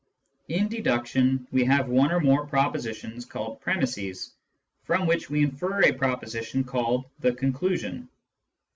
In deduction, we have one or more propositions called pre misses, from which we infer a proposition called the conclusion.